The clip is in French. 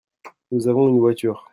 Nous avons une voiture.